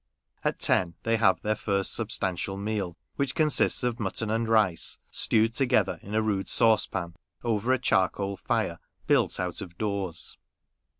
At ten they have their first substantial meal ; which consists of mutton and rice, stewed together in a rude saucepan over a charcoal 318 HOUSEHOLD WOBDS. [Conducted by fire, built out of doors.